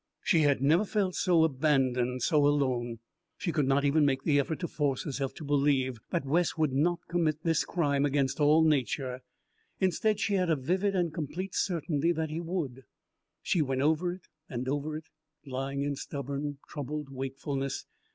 She had never felt so abandoned, so alone. She could not even make the effort to force herself to believe that Wes would not commit this crime against all Nature; instead, she had a vivid and complete certainty that he would. She went over it and over it, lying in stubborn troubled wakefulness.